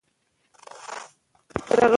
علامه حبیبي شفاهي روایت نقلوي.